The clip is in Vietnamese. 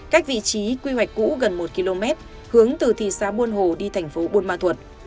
cách vị trí quy hoạch cũ gần một km hướng từ thị xã buôn hồ đi thành phố buôn ma thuật